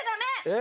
え？